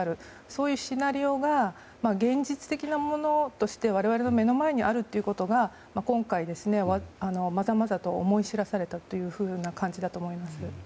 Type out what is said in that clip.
そういうシナリオが現実的なものとして我々の目の前にあるということが今回、まざまざと思い知らされたという感じだと思います。